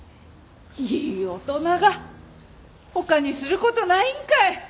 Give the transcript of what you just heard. いい大人が他にする事ないんかい！